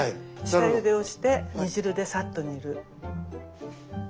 下ゆでをして煮汁でさっと煮る。